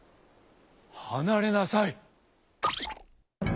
はなれなさい！」。